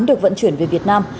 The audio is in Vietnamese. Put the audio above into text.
được vận chuyển về việt nam